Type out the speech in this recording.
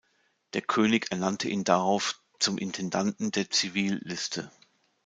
Der König ernannte ihn darauf zum Intendanten der Zivilliste.